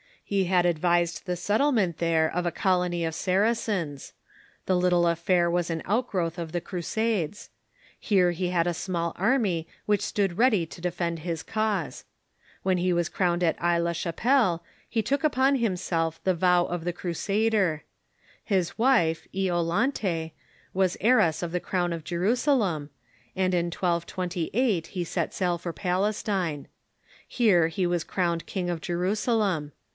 He had advised the set tlement there of a colony of Saracens. The little affair was an outgrowth of the Crusades. Here he had a small army w'hich stood ready to defend his cause. When he was crowned at 1V4 THE MEDIAEVAL CHURCH Aix la Chapelle he took upon himself the vow of the Crusader. His wife, lolante, was heiress of the crown of Jerusalem, and in 1228 he set sail for Palestine. Here he was crowned King of Jerusalem.